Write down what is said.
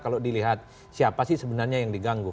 kalau dilihat siapa sih sebenarnya yang diganggu